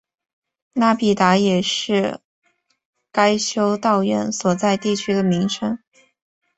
拉比达也是该修道院所在地区的名称。